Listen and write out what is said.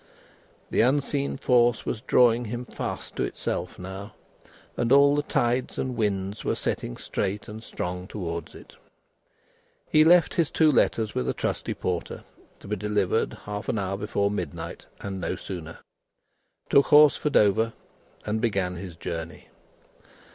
The unseen force was drawing him fast to itself, now, and all the tides and winds were setting straight and strong towards it. He left his two letters with a trusty porter, to be delivered half an hour before midnight, and no sooner; took horse for Dover; and began his journey.